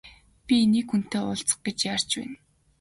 Би нэг хүнтэй уулзах гэж яарч байна.